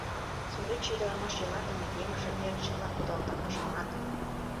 Сӱретче-ӱдырамаш йӧратыме еҥже верч чыла кудалта, пашамат...